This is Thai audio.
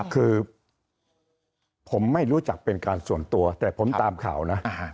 คือผมไม่รู้จักเป็นการส่วนตัวแต่ผมตามข่าวนะ